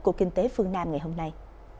bộ kinh tế phương nam ngày hôm nay